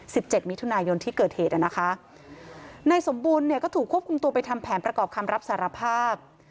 เจ็ดมิถุนายนที่เกิดเหตุอ่ะนะคะนายสมบูรณ์เนี่ยก็ถูกควบคุมตัวไปทำแผนประกอบคำรับสารภาพ